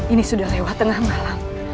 ini sudah lewat tengah malam